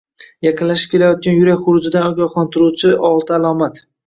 Yaqinlashib kelayotgan yurak xurujidan ogohlantiruvchioltialomat